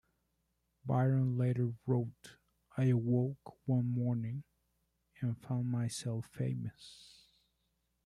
Byron later wrote, "I awoke one morning and found myself famous".